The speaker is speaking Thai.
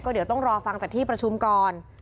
เดี๋ยวต้องรอฟังจากที่ประชุมก่อน